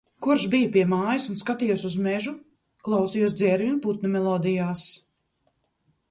Kurš bija pie mājas un skatījos uz mežu, klausījos dzērvju un putnu melodijās.